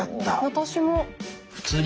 私も。